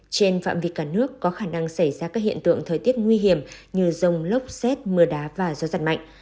trên phạm vi cả nước có khả năng xảy ra các hiện tượng thời tiết nguy hiểm như rông lốc xét mưa đá và gió giật mạnh